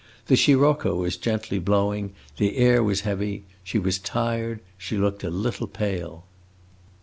The sirocco was gently blowing, the air was heavy, she was tired, she looked a little pale.